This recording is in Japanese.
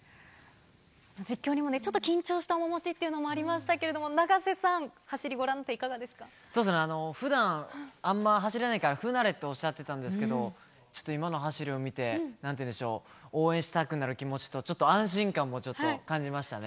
実況にもちょっと緊張した面持ちっていうのありましたけど、永瀬さん、走りご覧になっていかふだん、あんま走らないから、不慣れとおっしゃっていたんですけれども、ちょっと今の走りを見て、なんていうんでしょう、応援したくなる気持ちと、ちょっと安心感もちょっと、感じましたね。